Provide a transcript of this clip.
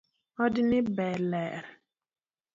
Od ni be ler?